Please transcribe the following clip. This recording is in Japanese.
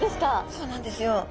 そうなんですよ。